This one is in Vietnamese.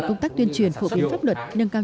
công tác tuyên truyền phổ biến pháp luật nâng cao